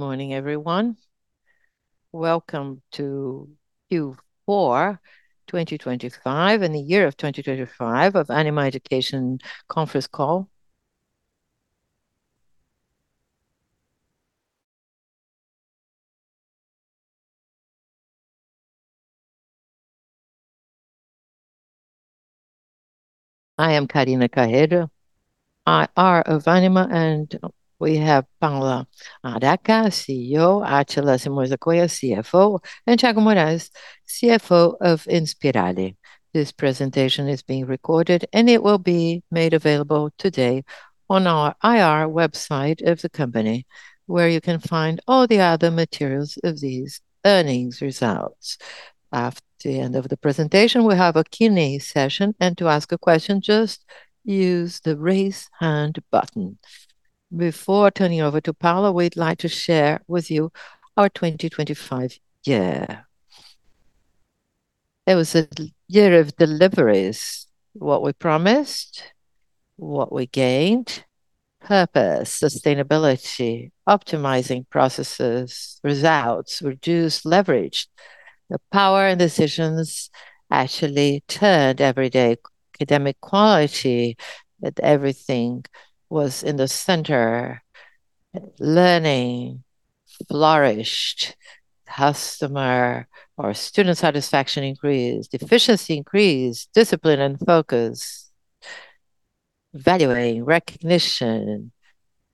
Morning, everyone. Welcome to Q4 2025 and the year of 2025 of Ânima Educação conference call. I am Carina Carreira, IR of Ânima, and we have Paula Harraca, CEO, Átila Simões da Cunha, CFO, and Tiago Garcia Moraes, CFO of Inspirali. This presentation is being recorded, and it will be made available today on our IR website of the company, where you can find all the other materials of these earnings results. After the end of the presentation, we'll have a Q&A session, and to ask a question, just use the Raise Hand button. Before turning over to Paula, we'd like to share with you our 2025 year. It was a year of deliveries. What we promised, what we gained, purpose, sustainability, optimizing processes, results, reduced leverage. The power and decisions actually turned everyday academic quality that everything was in the center. Learning flourished. Customer or student satisfaction increased. Efficiency increased. Discipline and focus. Valuing recognition,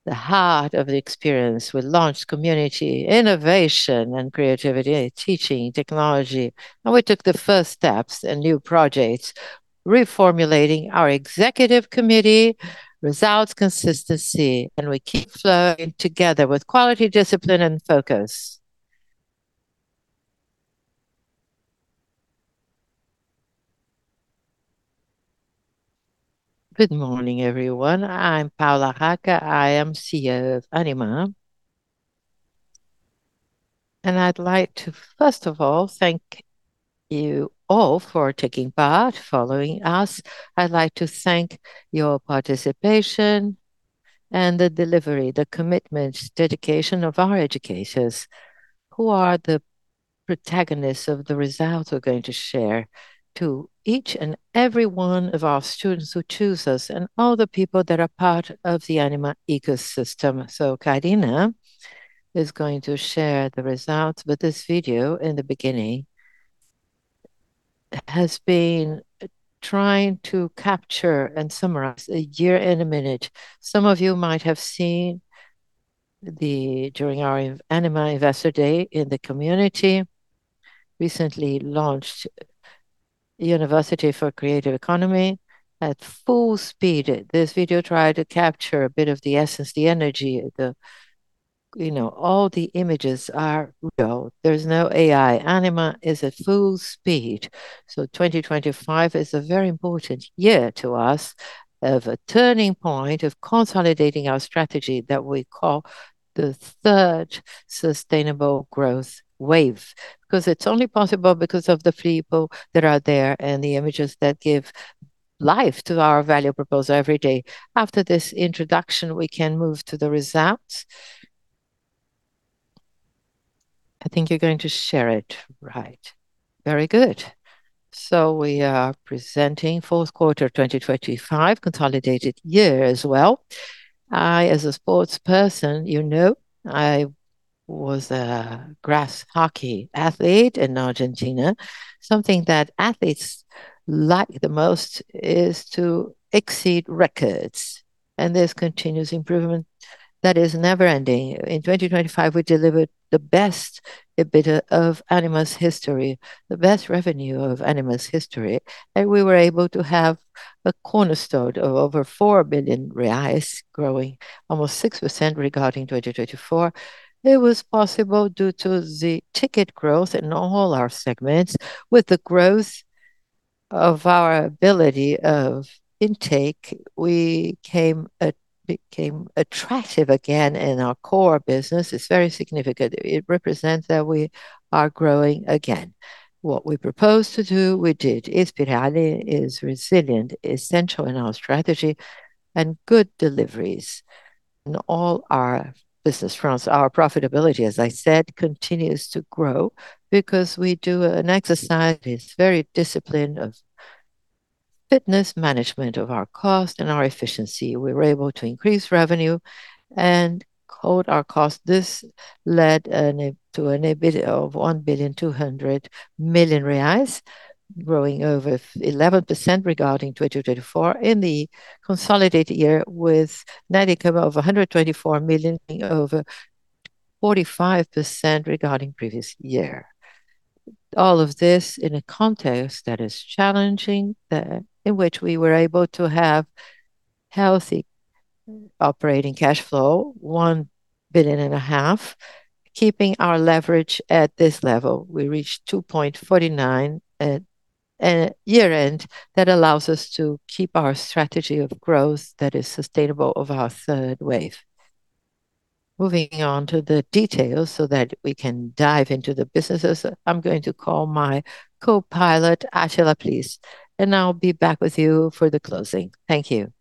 the heart of the experience. We launched Community innovation and creativity, teaching technology, and we took the first steps in new projects, reformulating our executive committee, results consistency, and we keep flowing together with quality, discipline and focus. Good morning, everyone. I'm Paula Harraca. I am CEO of Ânima. I'd like to first of all thank you all for taking part, following us. I'd like to thank you for your participation and the delivery, the commitment, dedication of our educators who are the protagonists of the results we're going to share to each and every one of our students who choose us and all the people that are part of the Ânima ecosystem. Carina is going to share the results. This video in the beginning has been trying to capture and summarize a year in a minute. Some of you might have seen during our Ânima Investor Day in the Community, recently launched University for Creative Economy at full speed. This video tried to capture a bit of the essence, the energy. You know, all the images are real. There's no AI. Ânima is at full speed. 2025 is a very important year to us of a turning point of consolidating our strategy that we call the third sustainable growth wave. 'Cause it's only possible because of the people that are there and the images that give life to our value proposal every day. After this introduction, we can move to the results. I think you're going to share it, right. Very good. We are presenting fourth quarter 2025, consolidated year as well. I, as a sports person, you know, I was a grass hockey athlete in Argentina. Something that athletes like the most is to exceed records, and there's continuous improvement that is never-ending. In 2025, we delivered the best EBITDA of Ânima's history, the best revenue of Ânima's history, and we were able to have a cornerstone of over 4 billion reais, growing almost 6% regarding 2024. It was possible due to the ticket growth in all our segments. With the growth of our ability of intake, we became attractive again in our core business. It's very significant. It represents that we are growing again. What we proposed to do, we did. Inspirali is resilient, essential in our strategy and good deliveries in all our business fronts. Our profitability, as I said, continues to grow because we do an exercise that's very disciplined of fitness management of our cost and our efficiency. We were able to increase revenue and control our cost. This led to an EBITDA of 1.2 billion, growing over 11% versus 2024 in the consolidated year with net income of 124 million, over 45% versus previous year. All of this in a context that is challenging, in which we were able to have healthy operating cash flow, 1.5 billion, keeping our leverage at this level. We reached 2.49 at year-end. That allows us to keep our strategy of growth that is sustainable of our third wave. Moving on to the details so that we can dive into the businesses, I'm going to call my co-pilot, Átila, please. I'll be back with you for the closing. Thank you.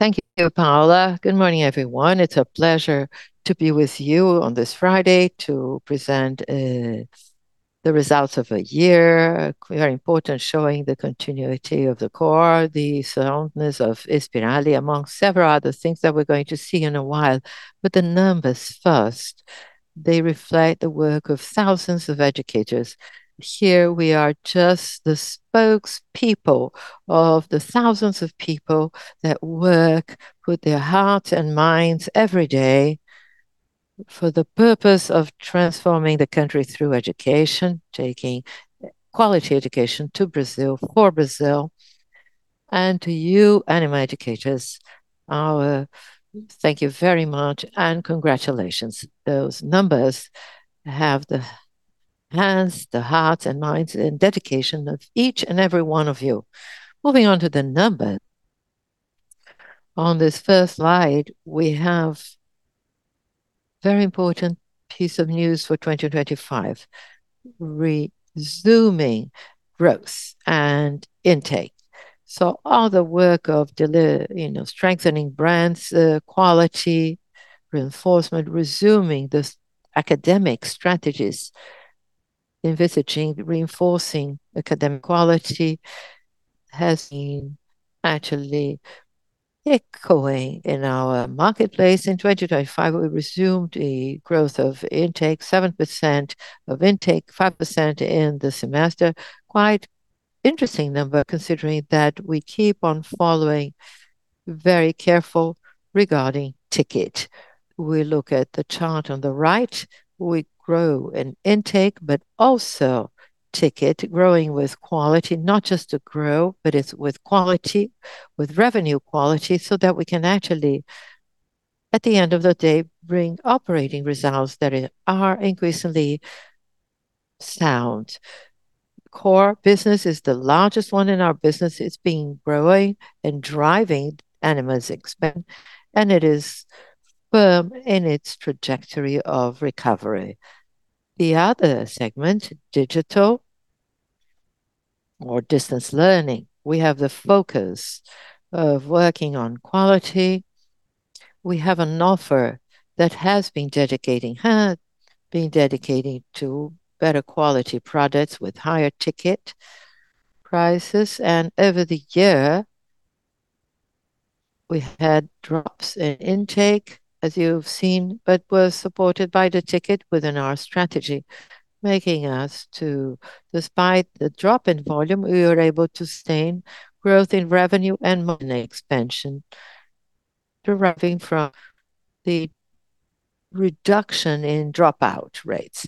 Thank you, Paula. Good morning, everyone. It's a pleasure to be with you on this Friday to present the results of a year. Very important, showing the continuity of the core, the soundness of Inspirali, among several other things that we're going to see in a while. The numbers first, they reflect the work of thousands of educators. Here we are just the spokespeople of the thousands of people that work with their heart and minds every day for the purpose of transforming the country through education, taking quality education to Brazil for Brazil. To you, Ânima educators, thank you very much and congratulations. Those numbers have the hands, the hearts and minds and dedication of each and every one of you. Moving on to the numbers. On this first slide, we have very important piece of news for 2025, resuming growth and intake. All the work of you know, strengthening brands, quality, reinforcement, resuming the academic strategies, envisaging, reinforcing academic quality, has been actually echoing in our marketplace. In 2025, we resumed a growth of intake, 7% of intake, 5% in the semester. Quite interesting number, considering that we keep on following very carefully regarding ticket. We look at the chart on the right, we grow in intake, but also ticket growing with quality. Not just to grow, but it's with quality, with revenue quality, so that we can actually, at the end of the day, bring operating results that are increasingly sound. Core business is the largest one in our business. It's been growing and driving Ânima's expansion, and it is firm in its trajectory of recovery. The other segment, digital or distance learning, we have the focus of working on quality. We have an offer that has been dedicated to better quality products with higher ticket prices. Over the year, we had drops in intake, as you've seen, but were supported by the ticket within our strategy. Despite the drop in volume, we were able to sustain growth in revenue and margin expansion, deriving from the reduction in dropout rates.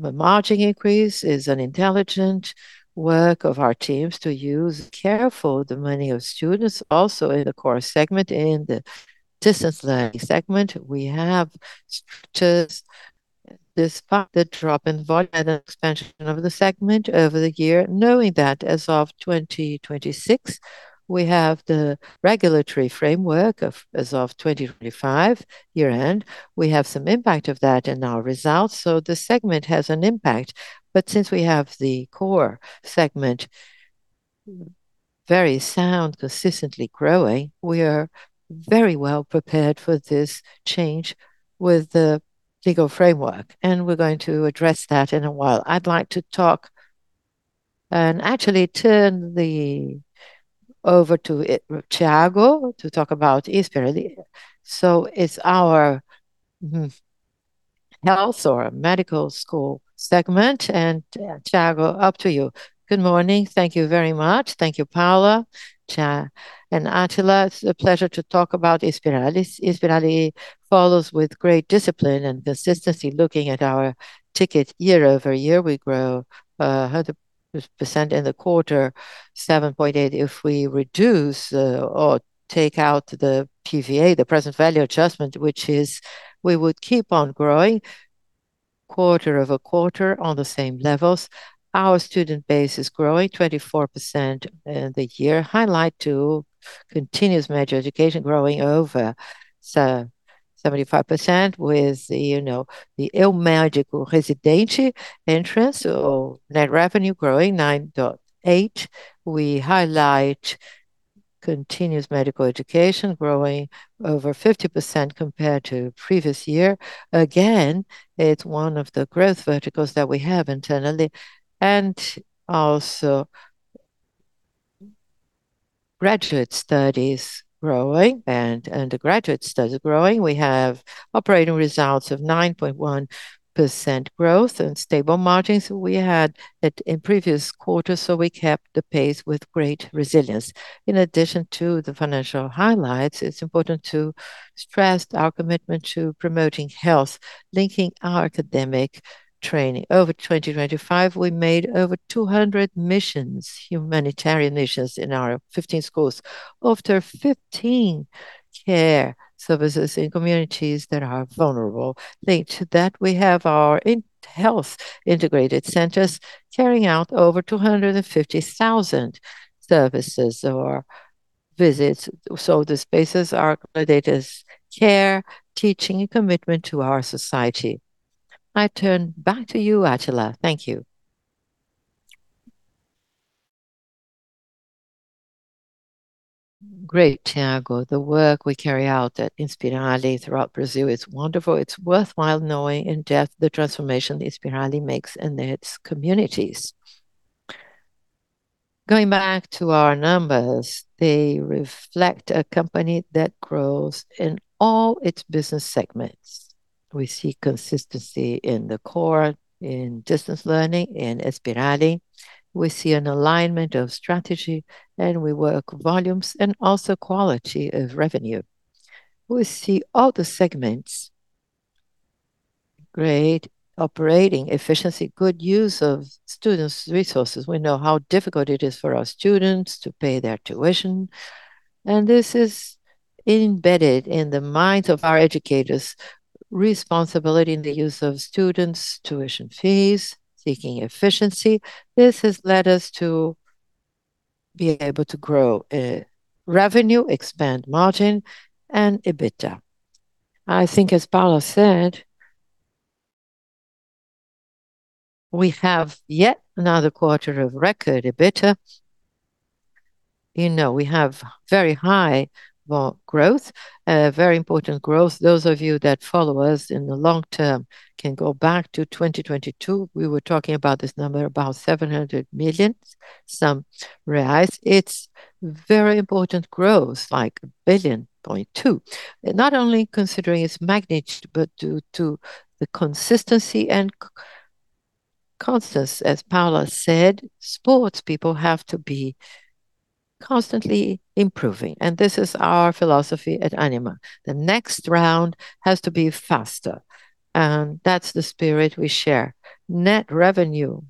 The margin increase is an intelligent work of our teams to use the students' money carefully. Also in the core segment, in the distance learning segment, we have structured despite the drop in volume and expansion of the segment over the year, knowing that as of 2026, we have the regulatory framework. As of 2025 year-end, we have some impact of that in our results. The segment has an impact. Since we have the core segment very sound, consistently growing, we are very well prepared for this change with the legal framework, and we're going to address that in a while. I'd like to talk and actually turn over to Tiago to talk about Inspirali. It's our health or medical school segment, and Tiago, up to you. Good morning. Thank you very much. Thank you, Paula, Tiago and Átila. It's a pleasure to talk about Inspirali. Inspirali follows with great discipline and consistency. Looking at our intake year-over-year, we grow 100% in the quarter, 7.8 if we reduce or take out the PVA, the present value adjustment, which is, we would keep on growing quarter-over-quarter on the same levels. Our student base is growing 24% in the year. Highlight to continuous medical education growing over 75% with the, you know, the Eu Médico Residente entrance or net revenue growing 9.8%. We highlight continuous medical education growing over 50% compared to previous year. Again, it's one of the growth verticals that we have internally. Also graduate studies growing and undergraduate studies growing. We have operating results of 9.1% growth and stable margins we had in previous quarters, so we kept the pace with great resilience. In addition to the financial highlights, it's important to stress our commitment to promoting health, linking our academic training. Over 2025, we made over 200 missions, humanitarian missions in our 15 schools. Over 15 care services in communities that are vulnerable. Linked to that, we have our health integrated centers carrying out over 250,000 services or visits. The spaces are accumulated as care, teaching, and commitment to our society. I turn back to you, Átila. Thank you. Great, Tiago. The work we carry out at Inspirali throughout Brazil is wonderful. It's worthwhile knowing in depth the transformation Inspirali makes in its communities. Going back to our numbers, they reflect a company that grows in all its business segments. We see consistency in the core, in distance learning, in Inspirali. We see an alignment of strategy, and we work volumes and also quality of revenue. We see all the segments. Great operating efficiency, good use of students' resources. We know how difficult it is for our students to pay their tuition, and this is embedded in the minds of our educators, responsibility in the use of students' tuition fees, seeking efficiency. This has led us to be able to grow revenue, expand margin and EBITDA. I think as Paula said, we have yet another quarter of record EBITDA. You know, we have very high growth, very important growth. Those of you that follow us in the long term can go back to 2022. We were talking about this number, about 700 million, some rise. It's very important growth, like 1.2 billion. Not only considering its magnitude, but due to the consistency and constants. As Paula said, sports people have to be constantly improving, and this is our philosophy at Ânima. The next round has to be faster, and that's the spirit we share. Net revenue,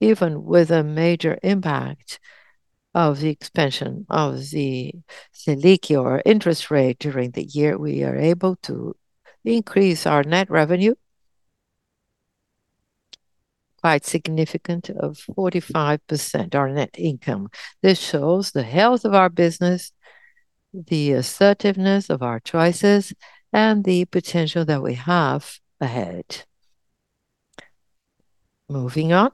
even with a major impact of the expansion of the Selic or interest rate during the year, we are able to increase our net revenue quite significantly of 45% our net income. This shows the health of our business, the assertiveness of our choices, and the potential that we have ahead. Moving on.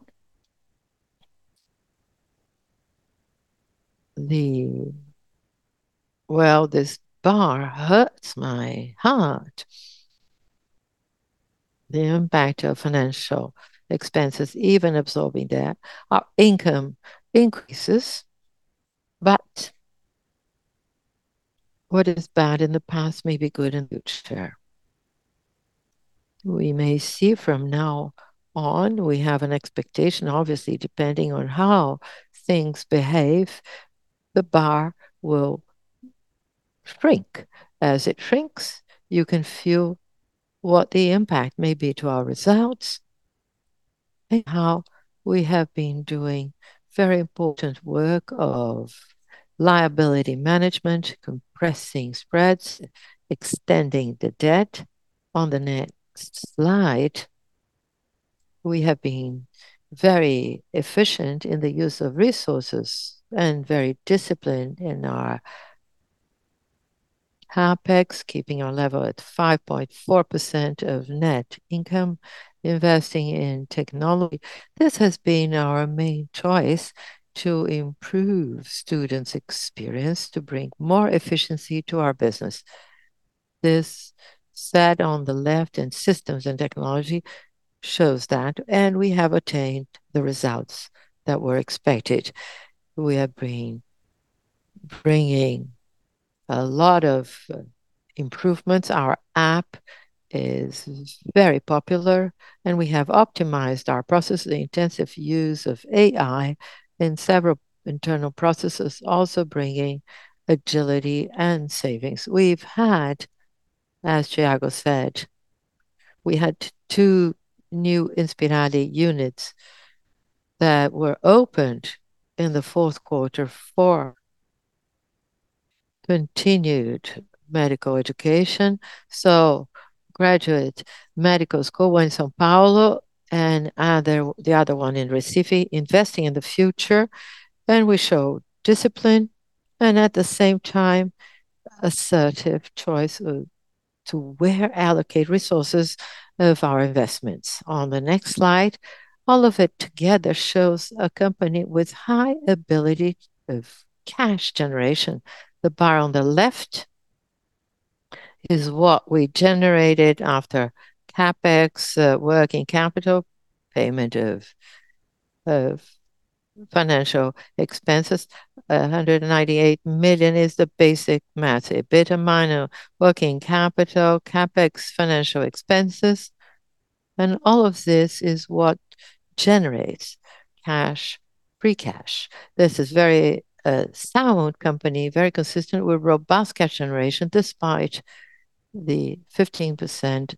Well, this bar hurts my heart. The impact of financial expenses, even absorbing debt, our income increases. What is bad in the past may be good in future. We may see from now on, we have an expectation, obviously, depending on how things behave, the bar will shrink. As it shrinks, you can feel what the impact may be to our results and how we have been doing very important work of liability management, compressing spreads, extending the debt. On the next slide. We have been very efficient in the use of resources and very disciplined in our CapEx, keeping our level at 5.4% of net income, investing in technology. This has been our main choice to improve students' experience, to bring more efficiency to our business. This set on the left in systems and technology shows that, and we have attained the results that were expected. We have been bringing a lot of improvements. Our app is very popular, and we have optimized our process, the intensive use of AI in several internal processes, also bringing agility and savings. We've had, as Tiago said, two new Inspirali units that were opened in the fourth quarter for continued medical education. Graduate medical school one in São Paulo and the other one in Recife, investing in the future. We show discipline and at the same time, assertive choice as to where to allocate resources of our investments. On the next slide, all of it together shows a company with high ability of cash generation. The bar on the left is what we generated after CapEx, working capital, payment of financial expenses. 198 million is the basic math, EBITDA minus working capital, CapEx, financial expenses. All of this is what generates free cash. This is a very sound company, very consistent with robust cash generation, despite the 15%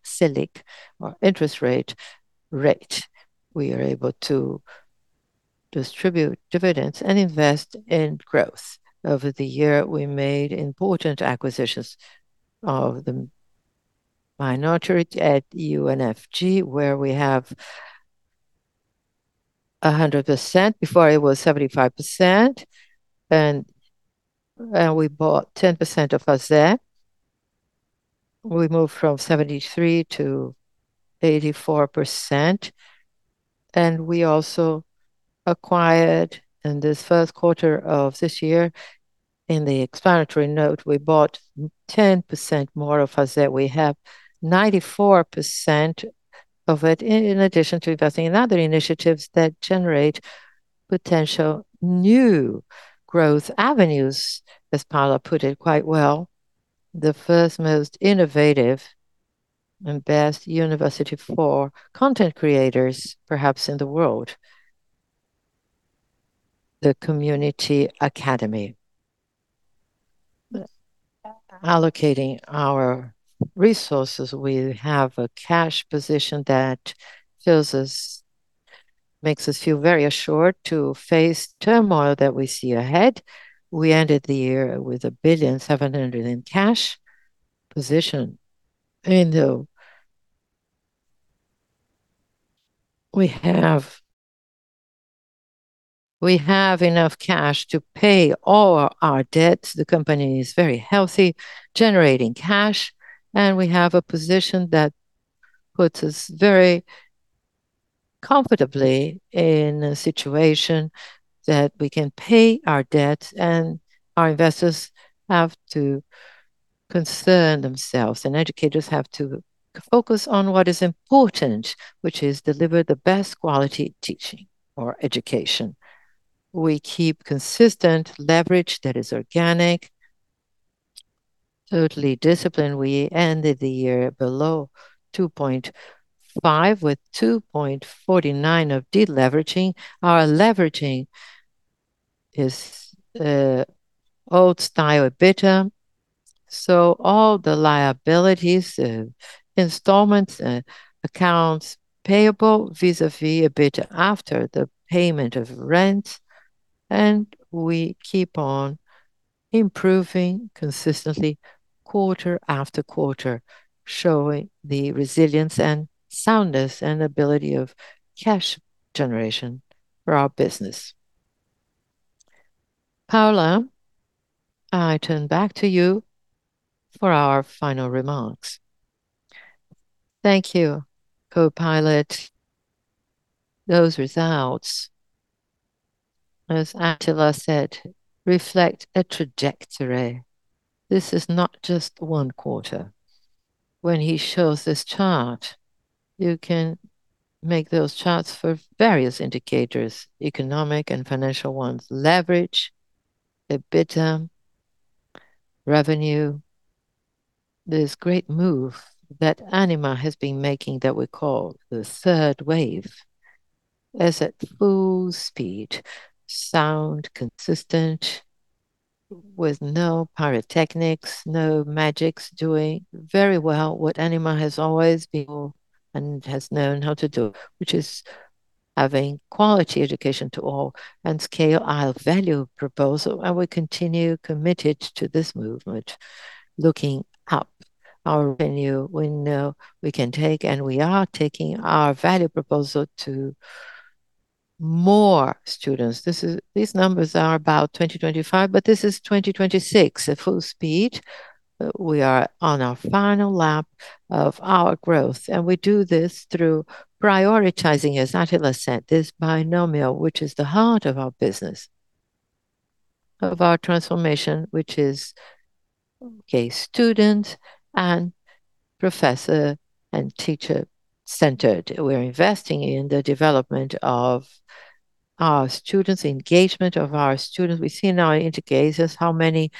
Selic or interest rate. We are able to distribute dividends and invest in growth. Over the year, we made important acquisitions of the minority at UniFG, where we have 100%. Before it was 75%. We bought 10% of Asete. We moved from 73%-84%. We also acquired, in this first quarter of this year, in the explanatory note, we bought 10% more of Asete. We have 94% of it in addition to investing in other initiatives that generate potential new growth avenues, as Paula put it quite well. The first most innovative and best university for content creators, perhaps in the world. The Community Creators Academy. Allocating our resources, we have a cash position that makes us feel very assured to face turmoil that we see ahead. We ended the year with 1.7 billion in cash position. We have enough cash to pay all our debts. The company is very healthy, generating cash, and we have a position that puts us very comfortably in a situation that we can pay our debts and our investors have to concern themselves, and educators have to focus on what is important, which is deliver the best quality teaching or education. We keep consistent leverage that is organic, totally disciplined. We ended the year below 2.5, with 2.49 of deleveraging. Our leveraging is old-style EBITDA, so all the liabilities and installments and accounts payable vis-à-vis EBITDA after the payment of rent. We keep on improving consistently quarter after quarter, showing the resilience and soundness and ability of cash generation for our business. Paula, I turn back to you for our final remarks. Thank you, co-pilot. Those results, as Átila said, reflect a trajectory. This is not just one quarter. When he shows this chart, you can make those charts for various indicators, economic and financial ones, leverage, EBITDA, revenue. This great move that Ânima has been making that we call the third wave is at full speed, sound, consistent, with no pyrotechnics, no magics, doing very well what Ânima has always been and has known how to do, which is having quality education to all and scale our value proposal, and we continue committed to this movement, looking up our venue. We know we can take, and we are taking our value proposal to more students. These numbers are about 2025, but this is 2026 at full speed. We are on our final lap of our growth, and we do this through prioritizing, as Átila said, this binomial, which is the heart of our business, of our transformation, which is, okay, student and professor and teacher-centered. We're investing in the development of our students, engagement of our students. We see now indicators how many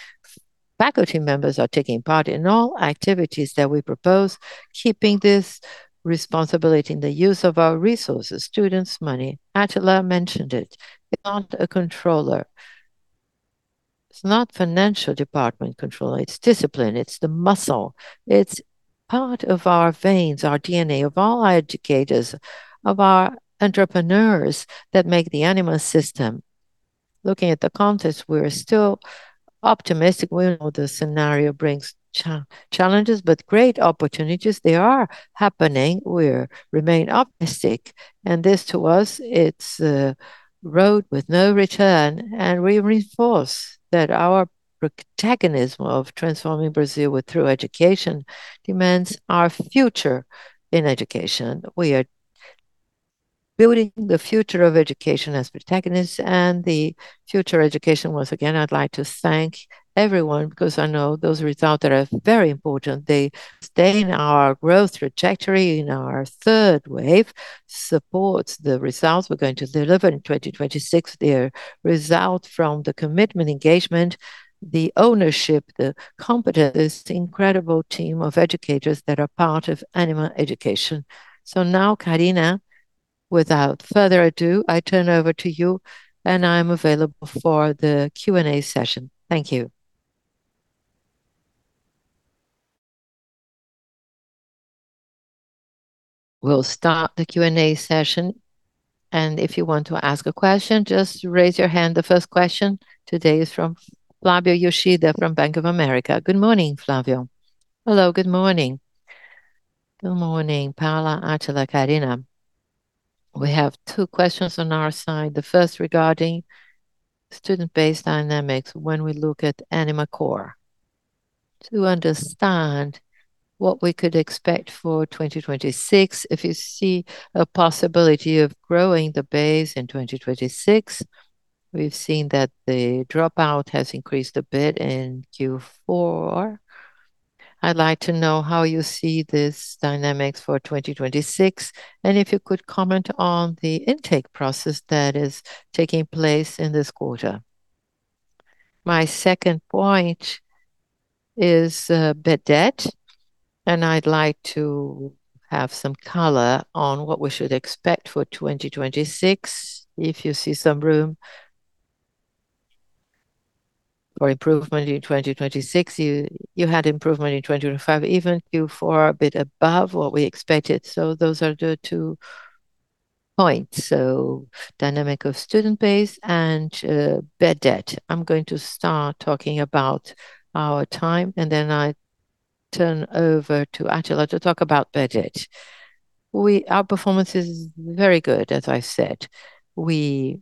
faculty members are taking part in all activities that we propose, keeping this responsibility in the use of our resources, students' money. Átila mentioned it. It's not a controller. It's not financial department controller. It's discipline. It's the muscle. It's part of our veins, our DNA of all our educators, of our entrepreneurs that make the Ânima system. Looking at the context, we're still optimistic. We know the scenario brings challenges, but great opportunities, they are happening. We remain optimistic, and this, to us, it's a road with no return. We reinforce that our protagonism of transforming Brazil through education demands our future in education. We are building the future of education as protagonists and the future education. Once again, I'd like to thank everyone because I know those results are very important. They stay in our growth trajectory, in our third wave, supports the results we're going to deliver in 2026. They result from the commitment, engagement, the ownership, the competence, this incredible team of educators that are part of Ânima Educação. Now, Carina, without further ado, I turn over to you, and I'm available for the Q&A session. Thank you. We'll start the Q&A session, and if you want to ask a question, just raise your hand. The first question today is from Flavio Yoshida from Bank of America. Good morning, Flavio. Hello, good morning. Good morning, Paula, Átila, Carina. We have two questions on our side. The first regarding student-based dynamics when we look at Ânima core. To understand what we could expect for 2026, if you see a possibility of growing the base in 2026. We've seen that the dropout has increased a bit in Q4. I'd like to know how you see this dynamics for 2026, and if you could comment on the intake process that is taking place in this quarter. My second point is, bad debt, and I'd like to have some color on what we should expect for 2026. If you see some room for improvement in 2026. You had improvement in 2025, even Q4 a bit above what we expected. Those are the two points. Dynamic of student base and, bad debt. I'm going to start talking about our team, and then I turn over to Átila to talk about bad debt. Our performance is very good, as I said. We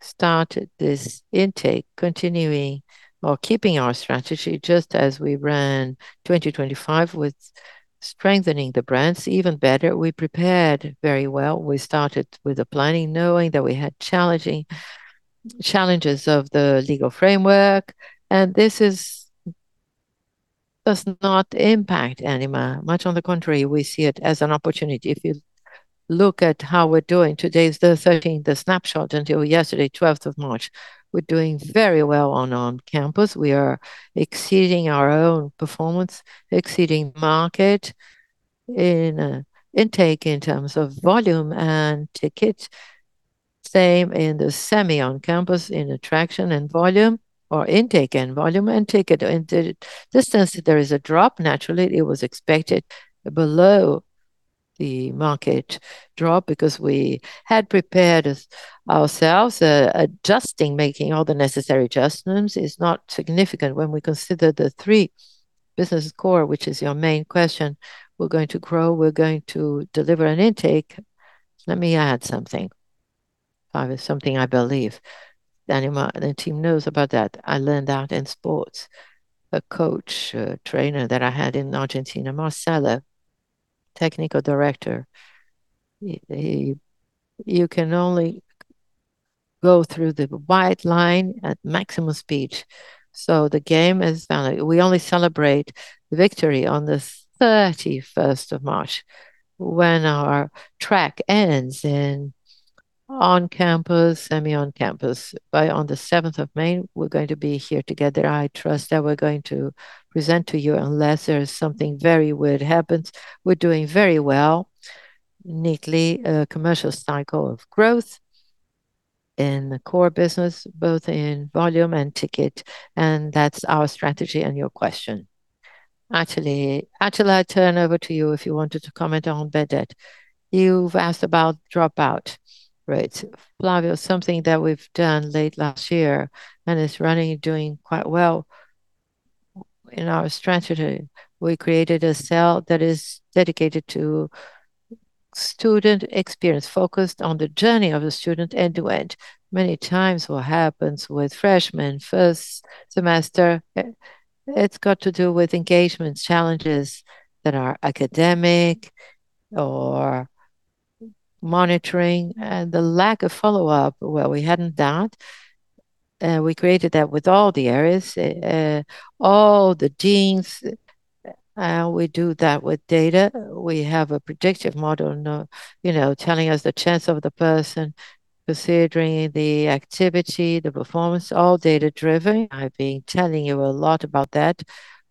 started this intake continuing or keeping our strategy just as we ran 2025 with strengthening the brands even better. We prepared very well. We started with the planning, knowing that we had challenges of the legal framework, and this does not impact Ânima. Much on the contrary, we see it as an opportunity. If you look at how we're doing, today is the 13th, the snapshot until yesterday, 12th of March. We're doing very well on on-campus. We are exceeding our own performance, exceeding market intake in terms of volume and tickets. Same in the semi on-campus in attraction and volume or intake and volume and ticket. In distance, there is a drop. Naturally, it was expected below the market drop because we had prepared ourselves, adjusting, making all the necessary adjustments. It's not significant when we consider the three business core, which is your main question. We're going to grow. We're going to deliver an intake. Let me add something. Flavio, something I believe. The team knows about that. I learned that in sports. A coach, a trainer that I had in Argentina, Marcello, technical director. You can only go through the white line at maximum speed. The game is done. We only celebrate victory on the thirty-first of March when our track ends in on-campus, semi on-campus. On the seventh of May, we're going to be here together. I trust that we're going to present to you unless there's something very weird happens. We're doing very well. Indeed, a commercial cycle of growth in the core business, both in volume and ticket, and that's our strategy and your question. Átila, I turn over to you if you wanted to comment on bad debt. You've asked about dropout rates. Flavio, something that we've done late last year and is running, doing quite well in our strategy. We created a cell that is dedicated to student experience, focused on the journey of the student end-to-end. Many times what happens with freshmen first semester, it's got to do with engagement challenges that are academic or monitoring and the lack of follow-up. Well, we hadn't that. We created that with all the areas, all the deans. We do that with data. We have a predictive model now, you know, telling us the chance of the person considering the activity, the performance, all data-driven. I've been telling you a lot about that.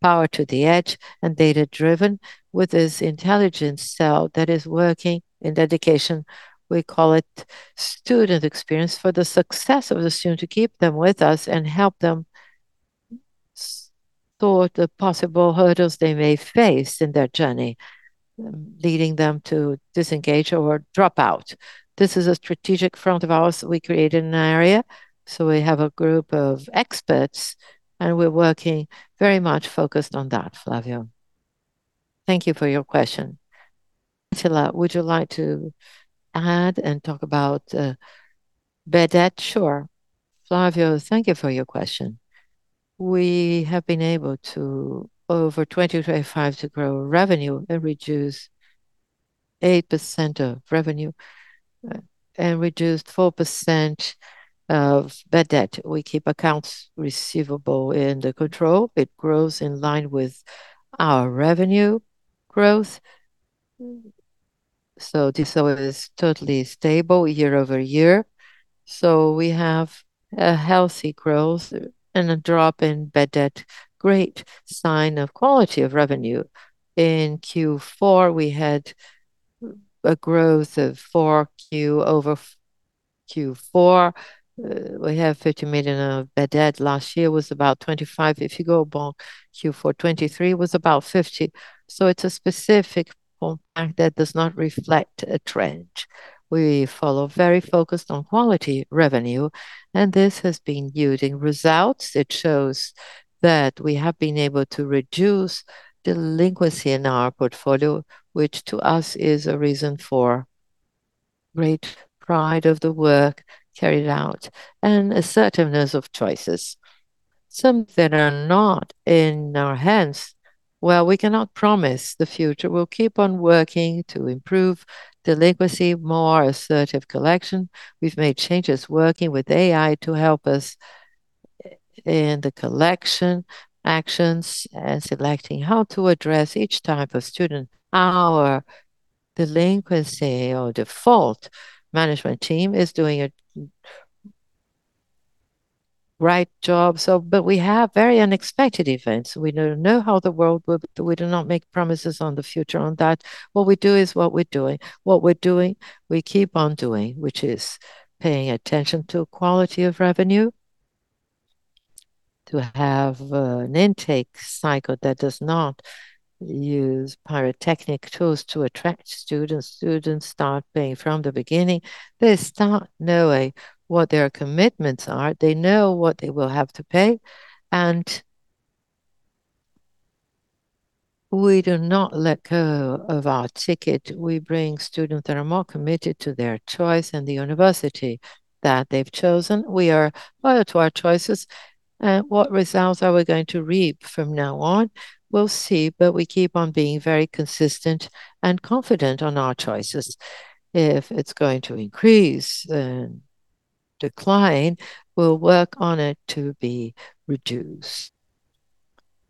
Power to the edge and data-driven with this intelligence cell that is working in dedication. We call it student experience for the success of the student to keep them with us and help them sort through the possible hurdles they may face in their journey, leading them to disengage or drop out. This is a strategic front of ours. We created an area. We have a group of experts, and we're working very much focused on that, Flavio. Thank you for your question. Átila, would you like to add and talk about bad debt? Sure. Flavio, thank you for your question. We have been able to, over 2025, to grow revenue and reduce 8% of revenue and reduced 4% of bad debt. We keep accounts receivable under control. It grows in line with our revenue growth. This service is totally stable year-over-year. We have a healthy growth and a drop in bad debt. Great sign of quality of revenue. In Q4, we had a growth of 4% QoQ. We have 50 million of bad debt. Last year was about 25 million. If you go back, Q4 2023 was about 50 million. It's a specific fact that does not reflect a trend. We are very focused on quality revenue, and this has been yielding results. It shows that we have been able to reduce delinquency in our portfolio, which to us is a reason for great pride of the work carried out and assertiveness of choices. Some that are not in our hands, well, we cannot promise the future. We'll keep on working to improve delinquency, more assertive collection. We've made changes working with AI to help us in the collection actions and selecting how to address each type of student. Our delinquency or default management team is doing a right job, but we have very unexpected events. We don't know how the world will be, we do not make promises on the future on that. What we do is what we're doing. What we're doing, we keep on doing, which is paying attention to quality of revenue, to have an intake cycle that does not use pyrotechnic tools to attract students. Students start paying from the beginning. They start knowing what their commitments are. They know what they will have to pay, and we do not let go of our ticket. We bring students that are more committed to their choice and the university that they've chosen. We are loyal to our choices, and what results are we going to reap from now on? We'll see, but we keep on being very consistent and confident on our choices. If it's going to increase, then decline, we'll work on it to be reduced.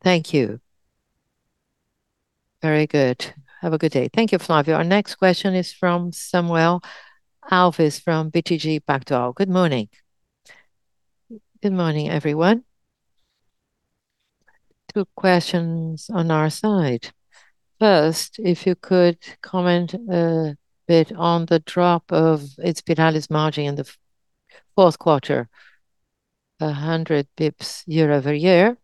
Thank you. Very good. Have a good day. Thank you, Flavio. Our next question is from Samuel Alves from BTG Pactual. Good morning. Good morning, everyone. Two questions on our side. First, if you could comment a bit on the drop of Inspirali's margin in the fourth quarter, 100 BPS year-over-year.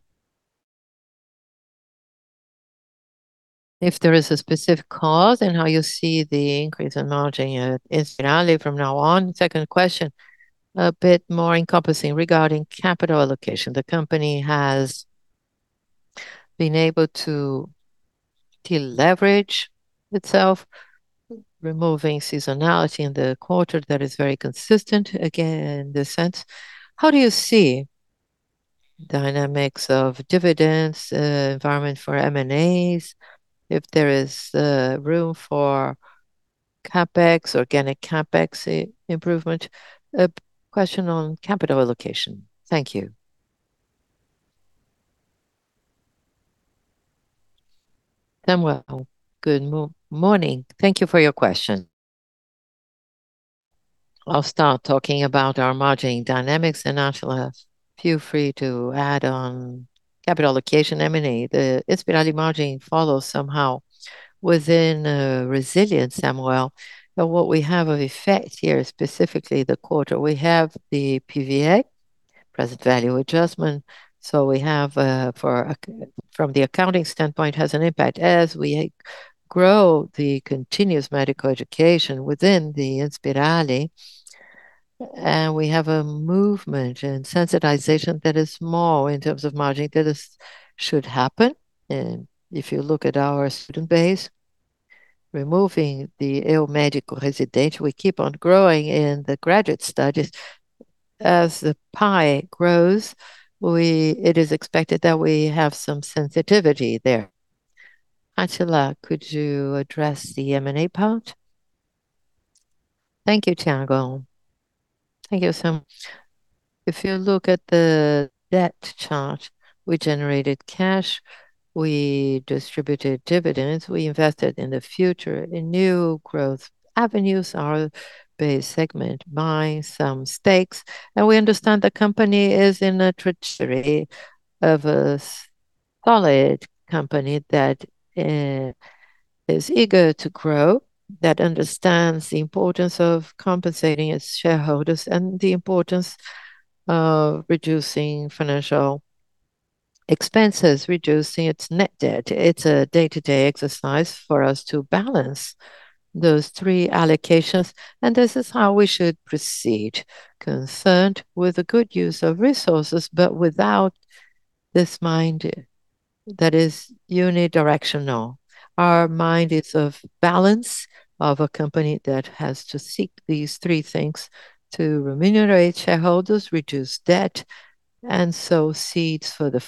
If there is a specific cause in how you see the increase in margin at Inspirali from now on. Second question, a bit more encompassing regarding capital allocation. The company has been able to deleverage itself, removing seasonality in the quarter that is very consistent, again, in the sense. How do you see dynamics of dividends, environment for M&As? If there is room for CapEx, organic CapEx improvement. A question on capital allocation. Thank you. Samuel, good morning. Thank you for your question. I'll start talking about our margin dynamics, and Átila, feel free to add on capital allocation, M&A. The Inspirali margin follows somehow within resilience, Samuel. What we have of effect here, specifically the quarter, we have the PVA, present value adjustment. From the accounting standpoint, has an impact. As we grow the continuous medical education within the Inspirali, we have a movement and sensitization that is small in terms of margin. That should happen. If you look at our student base, removing the Eu Médico Residente, we keep on growing in the graduate studies. As the pie grows, it is expected that we have some sensitivity there. Átila, could you address the M&A part? Thank you, Tiago. Thank you, Sam. If you look at the debt chart, we generated cash, we distributed dividends, we invested in the future in new growth avenues, our base segment, buying some stakes. We understand the company is in a trajectory of a solid company that is eager to grow, that understands the importance of compensating its shareholders and the importance of reducing financial expenses, reducing its net debt. It's a day-to-day exercise for us to balance those three allocations, and this is how we should proceed. Concerned with the good use of resources, but without this mind that is unidirectional. Our mind is of balance of a company that has to seek these three things, to remunerate shareholders, reduce debt, and sow seeds for the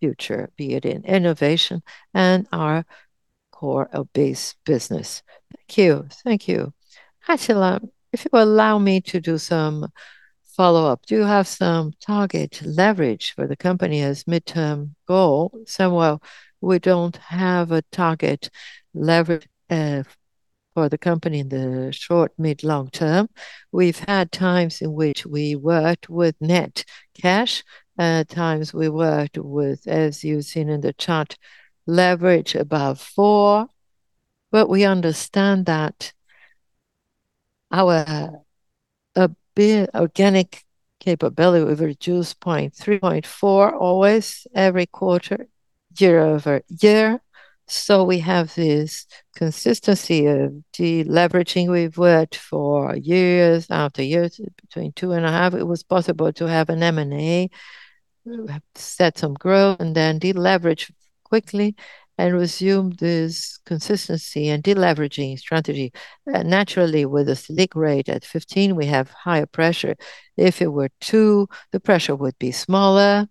future, be it in innovation and our core base business. Thank you. Thank you. Átila, if you allow me to do some follow-up, do you have some target leverage for the company as midterm goal? Samuel, we don't have a target leverage for the company in the short, mid, long term. We've had times in which we worked with net cash, times we worked with, as you've seen in the chart, leverage above four. We understand that our organic capability, we reduce 0.3, 0.4 always every quarter, year-over-year. We have this consistency of deleveraging. We've worked for years after years between 2.5. It was possible to have an M&A, have set some growth, and then deleverage quickly and resume this consistency and deleveraging strategy. Naturally with this Selic rate at 15, we have higher pressure. If it were two, the pressure would be smaller.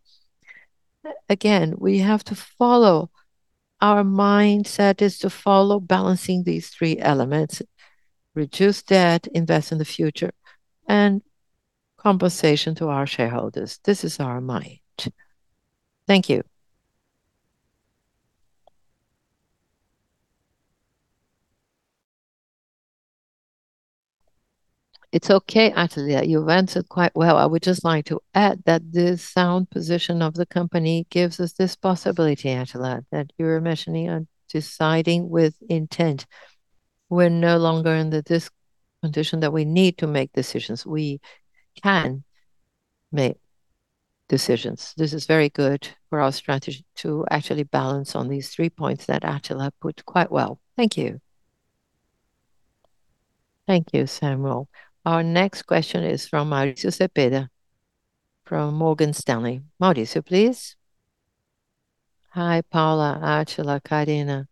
Again, we have to follow. Our mindset is to follow balancing these three elements, reduce debt, invest in the future, and compensation to our shareholders. This is our mind. Thank you. It's okay, Átila. You've answered quite well. I would just like to add that the strong position of the company gives us this possibility, Átila, that you're mentioning on deciding with intent. We're no longer in the distressed condition that we need to make decisions. We can make decisions. This is very good for our strategy to actually balance on these three points that Átila put quite well. Thank you. Thank you, Samuel. Our next question is from Mauricio Cepeda from Morgan Stanley. Mauricio, please. Hi, Paula, Átila, Carina.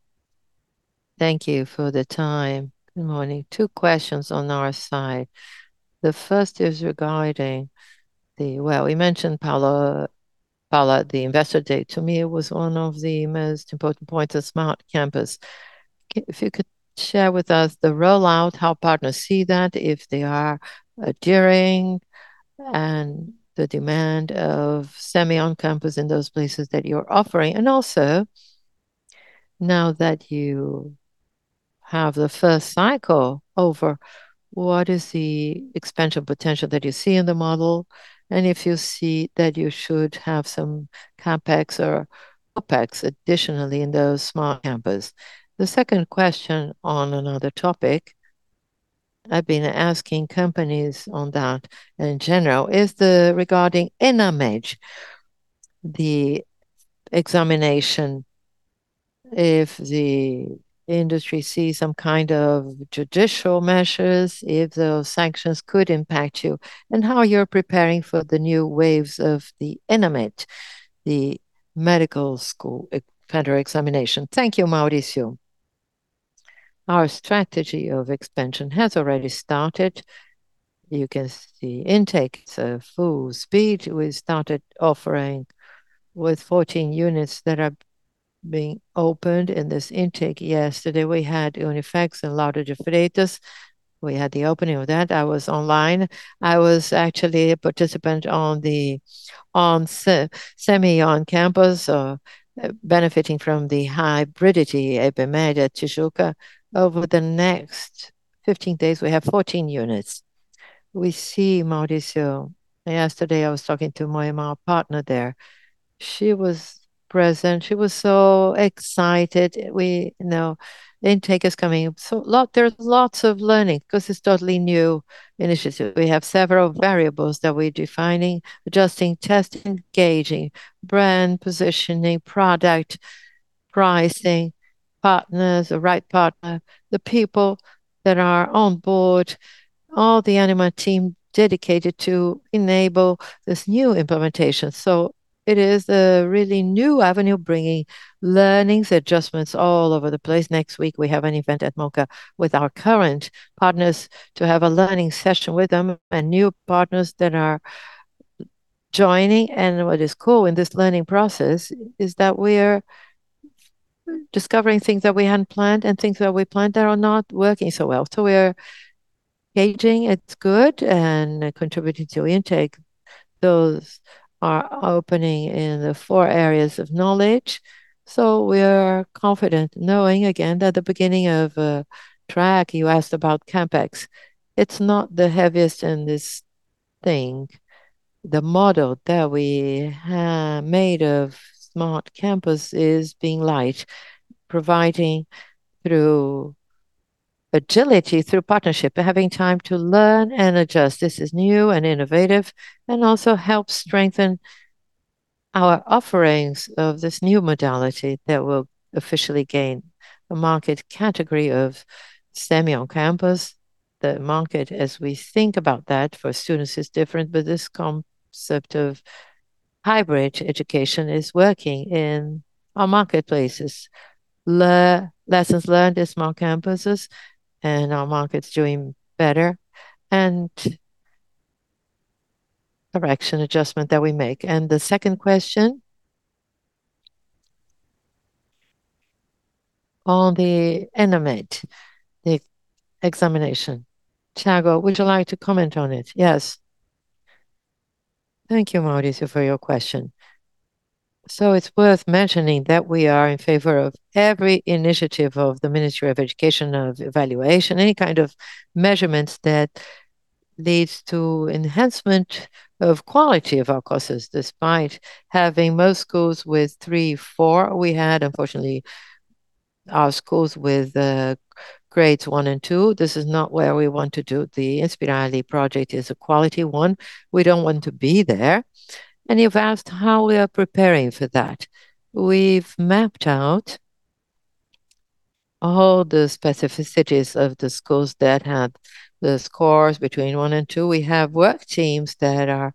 Thank you for the time. Good morning. Two questions on our side. The first is regarding. Well, we mentioned, Paula, the Ânima Investor Day. To me, it was one of the most important points of Smart Campus. If you could share with us the rollout, how partners see that, if they are gearing up and the demand for on-campus in those places that you're offering. Also, now that you have the first cycle over, what is the expansion potential that you see in the model, and if you see that you should have some CapEx or OpEx additionally in those Smart Campus. The second question on another topic I've been asking companies on that in general is regarding ENEM, the examination. If the industry sees some kind of judicial measures, if those sanctions could impact you, and how you're preparing for the new waves of the ENEM, the medical school federal examination. Thank you, Mauricio. Our strategy of expansion has already started. You can see intake, it's full speed. We started offering with 14 units that are being opened in this intake. Yesterday, we had UNIFACS in Lauro de Freitas. We had the opening of that. I was online. I was actually a participant on semi on-campus, benefiting from the hybridity at PMG at Tijuca. Over the next 15 days, we have 14 units. We see, Mauricio. Yesterday, I was talking to Moema, our partner there. She was present. She was so excited. We know the intake is coming. There's lots of learning because it's totally new initiative. We have several variables that we're defining, adjusting, testing, engaging, brand positioning, product pricing, partners, the right partner, the people that are on board, all the ENEM team dedicated to enable this new implementation. It is a really new avenue bringing learnings, adjustments all over the place. Next week, we have an event at Mooca with our current partners to have a learning session with them and new partners that are joining. What is cool in this learning process is that we're discovering things that we hadn't planned and things that we planned that are not working so well. We're gauging it's good and contributing to intake. Those are opening in the four areas of knowledge, so we're confident knowing. Again, that the beginning of track, you asked about CapEx. It's not the heaviest in this thing. The model that we have made of Smart Campus is being light, providing through agility, through partnership, and having time to learn and adjust. This is new and innovative, and also helps strengthen our offerings of this new modality that will officially gain a market category of semi on-campus. The market, as we think about that for students, is different, but this concept of hybrid education is working in our marketplaces. Lessons learned in small campuses and our market's doing better and correction, adjustment that we make. The second question on the ENEM, the examination. Tiago, would you like to comment on it? Yes. Thank you, Mauricio, for your question. It's worth mentioning that we are in favor of every initiative of the Ministry of Education, of evaluation, any kind of measurements that leads to enhancement of quality of our courses, despite having most schools with three, four. We had, unfortunately, our schools with grades one and two. This is not where we want to do. The Inspirali project is a quality one. We don't want to be there. You've asked how we are preparing for that. We've mapped out all the specificities of the schools that had the scores between one and two, we have work teams that are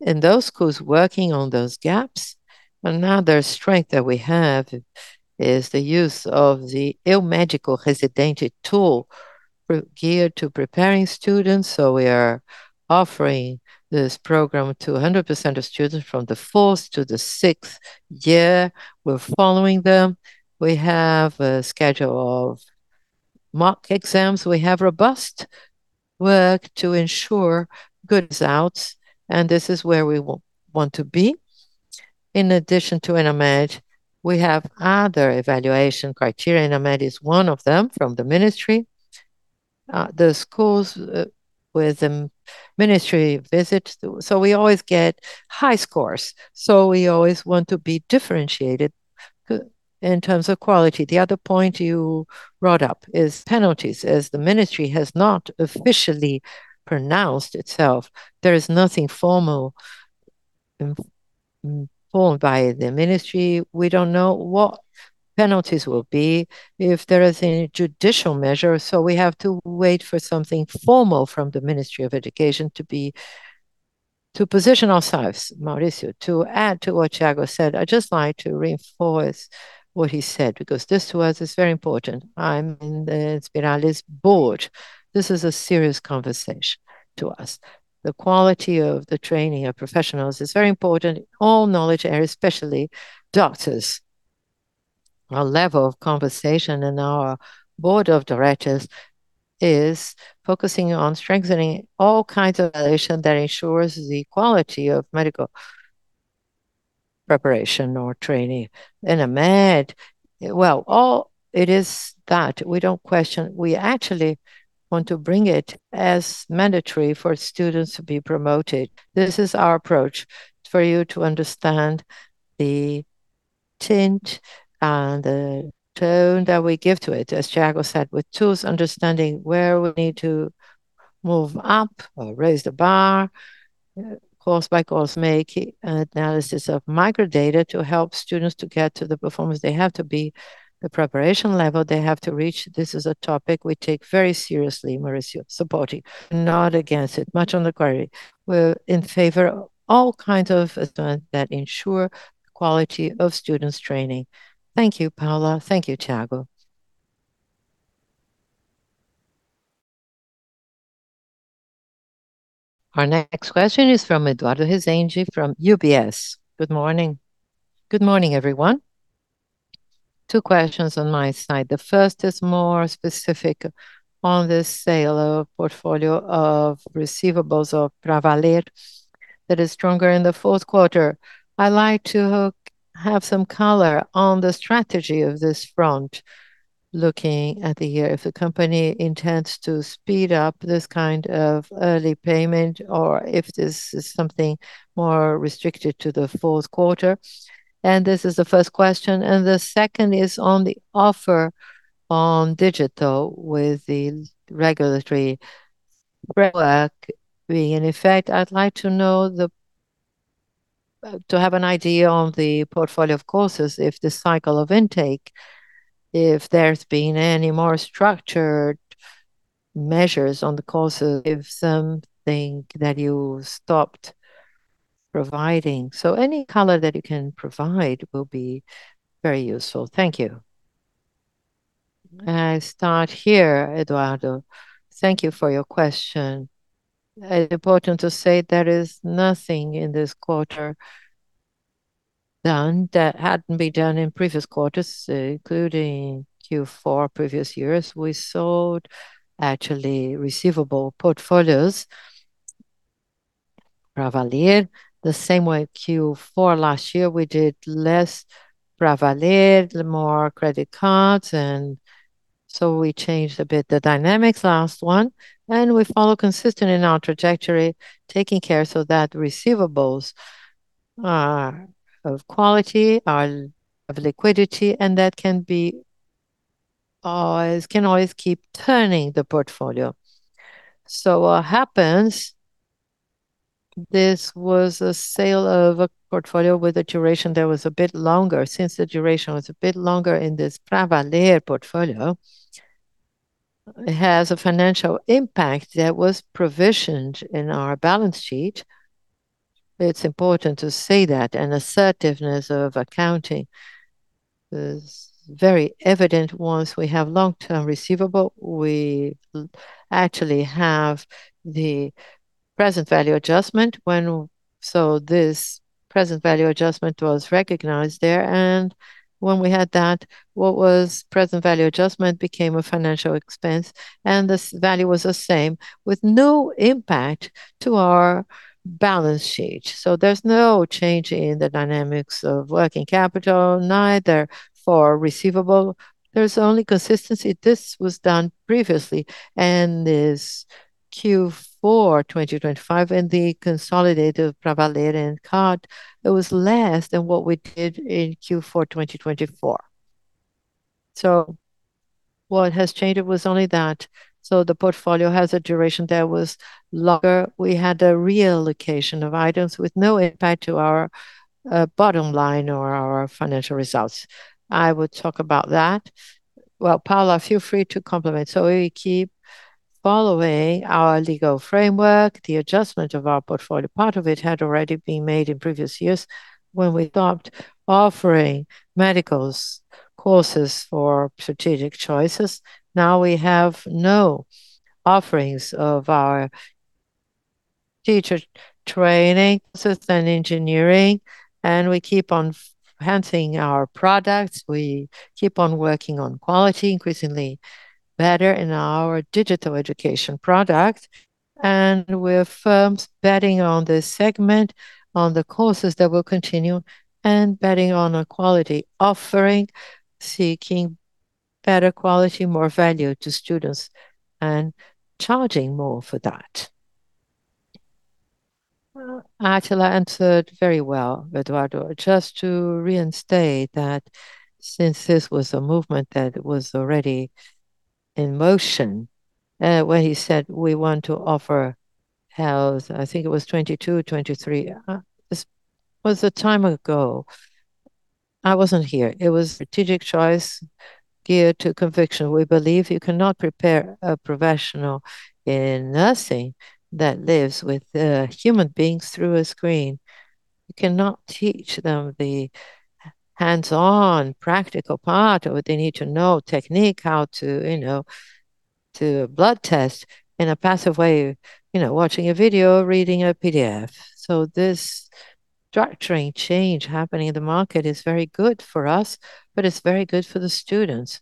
in those schools working on those gaps. Another strength that we have is the use of the Eu Médico Residente tool geared to preparing students. We are offering this program to 100% of students from the fourth to the sixth year. We're following them. We have a schedule of mock exams. We have robust work to ensure good results, and this is where we want to be. In addition to ENADE, we have other evaluation criteria. ENADE is one of them from the ministry. The schools, with the ministry visits, always get high scores. We always want to be differentiated in terms of quality. The other point you brought up is penalties. As the ministry has not officially pronounced itself, there is nothing formal formed by the ministry. We don't know what penalties will be if there is any judicial measure, so we have to wait for something formal from the Ministry of Education. To position ourselves, Mauricio. To add to what Tiago said, I'd just like to reinforce what he said, because this to us is very important. I'm in the Inspirali board. This is a serious conversation to us. The quality of the training of professionals is very important. All knowledge and especially doctors. Our level of conversation in our board of directors is focusing on strengthening all kinds of evaluation that ensures the quality of medical preparation or training. ENEM, well, all it is that we don't question. We actually want to bring it as mandatory for students to be promoted. This is our approach for you to understand the tenor and the tone that we give to it. As Tiago said, with tools, understanding where we need to move up or raise the bar, course by course, make analysis of microdata to help students to get to the performance they have to be, the preparation level they have to reach. This is a topic we take very seriously, Mauricio, supporting, not against it. Much on the contrary. We're in favor of all kinds of assessment that ensure quality of students' training. Thank you, Paula. Thank you, Tiago. Our next question is from Eduardo Resende from UBS. Good morning. Good morning, everyone. Two questions on my side. The first is more specific on the sale of portfolio of receivables of Pravaler that is stronger in the fourth quarter. I'd like to have some color on the strategy of this front, looking at the year, if the company intends to speed up this kind of early payment or if this is something more restricted to the fourth quarter. This is the first question. The second is on the offer on digital with the regulatory framework being in effect. I'd like to know to have an idea on the portfolio of courses, if the cycle of intake, if there's been any more structured measures on the courses, if something that you stopped providing. So any color that you can provide will be very useful. Thank you. I start here, Eduardo. Thank you for your question. It's important to say there is nothing in this quarter done that hadn't been done in previous quarters, including Q4 previous years. We sold actually receivable portfolios, Pravaler. The same way Q4 last year, we did less Pravaler, more credit cards, and so we changed a bit the dynamics last one. We follow consistently in our trajectory, taking care so that receivables are of quality, are of liquidity, and that can always keep turning the portfolio. What happens, this was a sale of a portfolio with a duration that was a bit longer. Since the duration was a bit longer in this Pravaler portfolio, it has a financial impact that was provisioned in our balance sheet. It's important to say that. The conservatism of accounting is very evident. Once we have long-term receivables, we actually have the present value adjustment. This present value adjustment was recognized there. When we had that, what was present value adjustment became a financial expense, and this value was the same with no impact to our balance sheet. There's no change in the dynamics of working capital, neither for receivable. There's only consistency. This was done previously and in Q4 2025 and the consolidated Pravaler and card, it was less than what we did in Q4 2024. What has changed was only that. The portfolio has a duration that was longer. We had a reallocation of items with no impact to our bottom line or our financial results. I would talk about that. Well, Paula, feel free to complement. We keep following our legal framework, the adjustment of our portfolio. Part of it had already been made in previous years when we stopped offering medical courses for strategic choices. Now we have no offerings of our teacher training, systems engineering, and we keep on enhancing our products. We keep on working on quality, increasingly better in our digital education product. We're firmly betting on this segment, on the courses that will continue, and betting on a quality offering, seeking better quality, more value to students, and charging more for that. Well, Átila answered very well, Eduardo. Just to reiterate that since this was a movement that was already in motion, where he said we want to offer health, I think it was 2022 or 2023. This was a time ago. I wasn't here. It was strategic choice geared to conviction. We believe you cannot prepare a professional in nursing that lives with human beings through a screen. You cannot teach them the hands-on practical part of what they need to know, technique, how to, you know, to blood test in a passive way, you know, watching a video or reading a PDF. This structuring change happening in the market is very good for us, but it's very good for the students,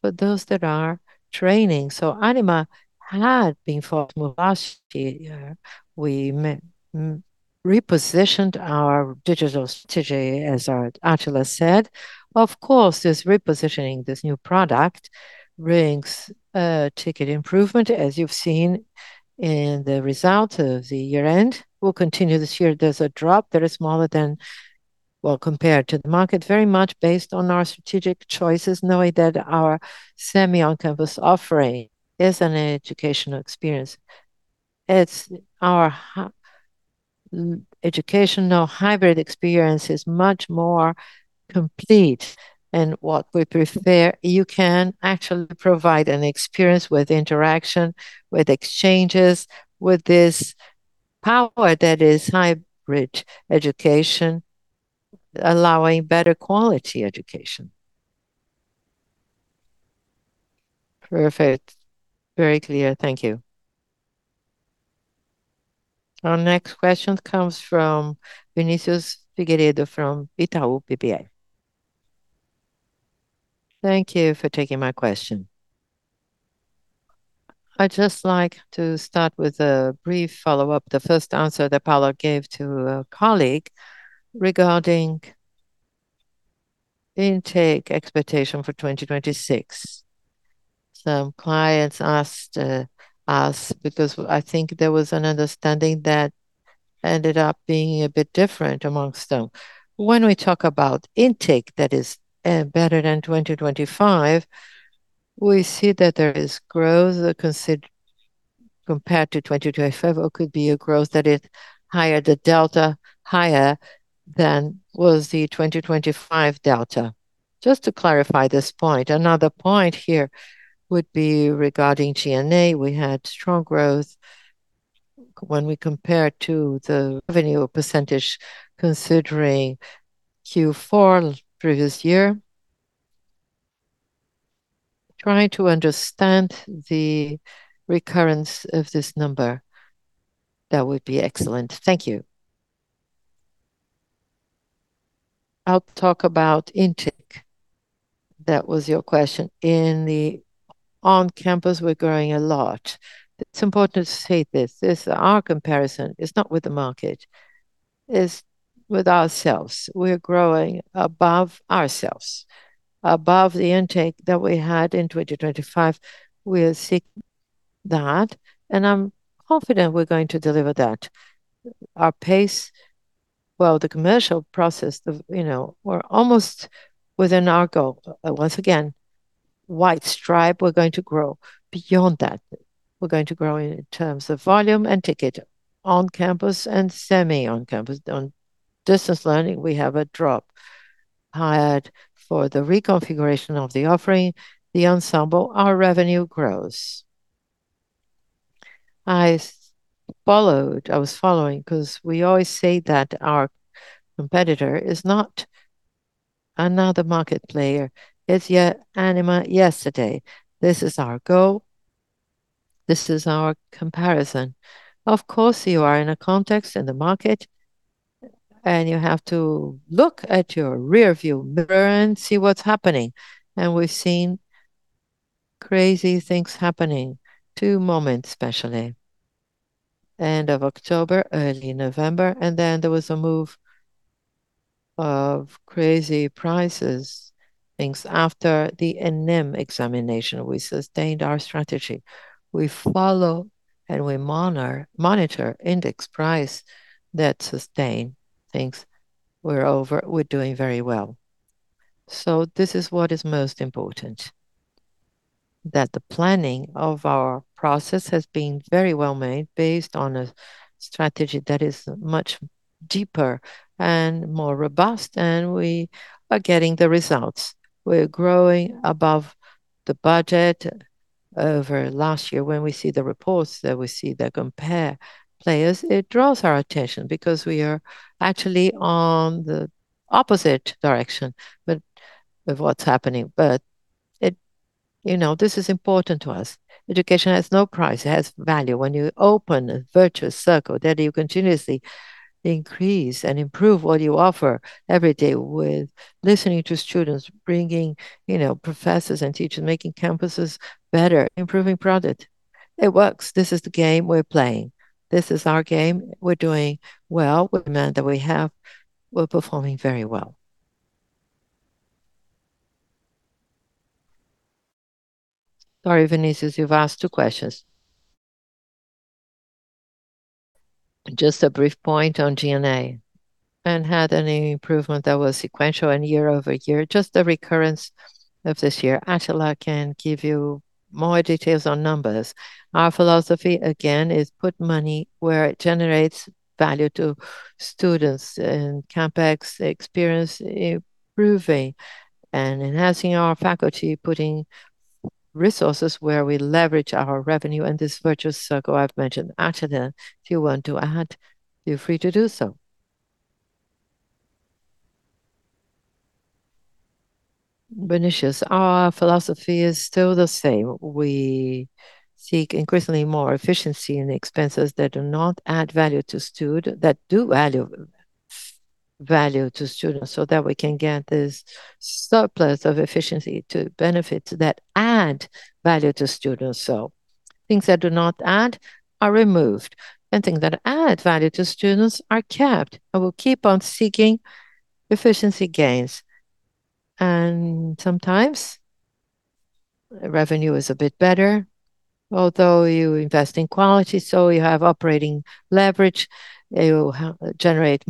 for those that are training. Ânima had been forced to move last year. We repositioned our digital strategy, as our Átila said. Of course, this repositioning this new product brings a ticket improvement, as you've seen in the results of the year-end. We'll continue this year. There's a drop that is smaller than well, compared to the market, very much based on our strategic choices, knowing that our semi on-campus offering is an educational experience. It's our educational hybrid experience is much more complete in what we prefer. You can actually provide an experience with interaction, with exchanges, with this power that is hybrid education allowing better quality education. Perfect. Very clear. Thank you. Our next question comes from Vinicius Figueiredo from Itaú BBA. Thank you for taking my question. I'd just like to start with a brief follow-up, the first answer that Paula gave to a colleague regarding intake expectation for 2026. Some clients asked us because I think there was an understanding that ended up being a bit different amongst them. When we talk about intake that is better than 2025, we see that there is growth that compared to 2025 or could be a growth that is higher than the delta, higher than was the 2025 delta. Just to clarify this point. Another point here would be regarding G&A. We had strong growth when we compare to the revenue percentage considering Q4 previous year. Try to understand the recurrence of this number. That would be excellent. Thank you. I'll talk about intake. That was your question. In the on-campus, we're growing a lot. It's important to state this. Our comparison is not with the market. It's with ourselves. We're growing above ourselves, above the intake that we had in 2025. We are seeking that, and I'm confident we're going to deliver that. Well, the commercial process, you know, we're almost within our goal. Once again, white stripe, we're going to grow beyond that. We're going to grow in terms of volume and ticket on campus and semi on campus. On distance learning, we have a drop higher for the reconfiguration of the offering, the ensemble. Our revenue grows. I was following 'cause we always say that our competitor is not another market player. It's, yeah, Ânima yesterday. This is our goal. This is our comparison. Of course, you are in a context in the market, and you have to look at your rearview mirror and see what's happening. We've seen crazy things happening, two moments especially. End of October, early November, and then there was a move of crazy prices, things after the ENEM examination. We sustained our strategy. We follow and we monitor indices, prices that sustain things. We're doing very well. This is what is most important. That the planning of our process has been very well made based on a strategy that is much deeper and more robust, and we are getting the results. We're growing above the budget over last year. When we see the reports that we see that compare players, it draws our attention because we are actually on the opposite direction with what's happening. You know, this is important to us. Education has no price. It has value. When you open a virtuous circle that you continuously increase and improve what you offer every day with listening to students, bringing, you know, professors and teachers, making campuses better, improving product, it works. This is the game we're playing. This is our game. We're doing well with the demand that we have. We're performing very well. Sorry, Vinicius, you've asked two questions. Just a brief point on G&A. Had any improvement that was sequential and year-over-year, just the recurrence of this year. Átila can give you more details on numbers. Our philosophy, again, is put money where it generates value to students and CapEx experience improving and enhancing our faculty, putting resources where we leverage our revenue and this virtuous circle I've mentioned. Átila, if you want to add, feel free to do so. Vinicius, our philosophy is still the same. We seek increasingly more efficiency in expenses that do not add value to students so that we can get this surplus of efficiency to benefits that add value to students. Things that do not add are removed, and things that add value to students are kept. We'll keep on seeking efficiency gains. Sometimes revenue is a bit better, although you invest in quality, so you have operating leverage. You generate